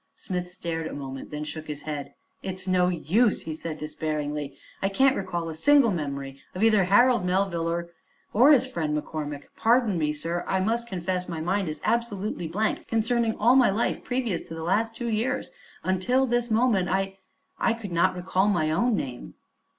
Smith stared a moment and then shook his head. "It's no use," he said despairingly; "I can't recall a single memory of either Harold Melville or or his friend McCormick. Pardon me, sir; I must confess my mind is absolutely blank concerning all my life previous to the last two years. Until this moment I I could not recall my own name."